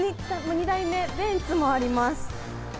２台目、ベンツもあります。